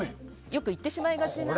よく言ってしまいがちな。